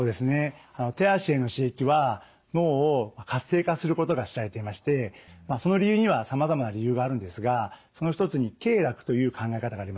手足への刺激は脳を活性化することが知られていましてその理由にはさまざまな理由があるんですがその一つに経絡という考え方があります。